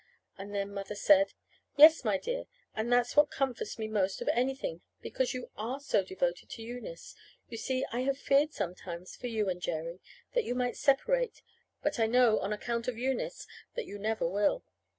And then Mother said: "Yes, my dear; and that's what comforts me most of anything because you are so devoted to Eunice. You see, I have feared sometimes for you and Jerry; that you might separate. But I know, on account of Eunice, that you never will."